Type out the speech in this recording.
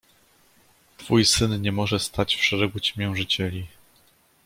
Twój syn niemoże stać w szeregu ciemiężycieli.